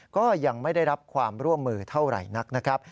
ก็ยังไม่ได้รับความร่วมมือเท่าไหร่นักนะครับ